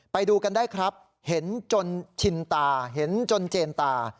ไปดูกันได้ครับเห็นจนชินตาเห็นจนเจนตา